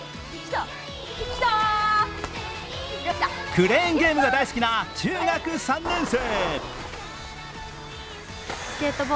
クレーンゲームが大好きな中学３年生。